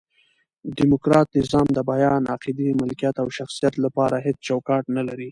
ډیموکرات نظام د بیان، عقیدې، ملکیت او شخصیت له پاره هيڅ چوکاټ نه لري.